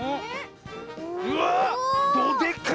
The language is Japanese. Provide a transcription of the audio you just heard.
うわっどでか！